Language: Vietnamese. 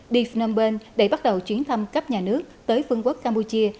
đi phnom penh để bắt đầu chuyến thăm cấp nhà nước tới vương quốc campuchia